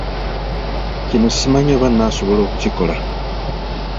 Kino simanyi oba naasobola okukikola!